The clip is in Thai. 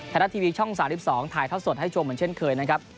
ไทยรัฐทีวีช่อง๓๒ถ่ายทอดสดให้ชมเหมือนเช่นเคยนะครับ